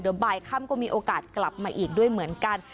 เดี๋ยวบ่ายค่ำก็มีโอกาสกลับมาอีกด้วยเหมือนกัน